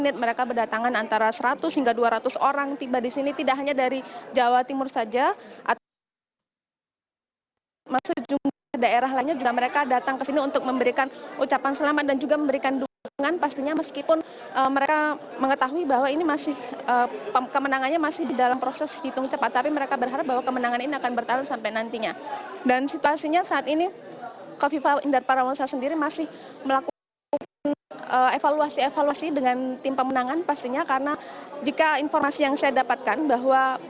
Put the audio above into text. terima kasih terima kasih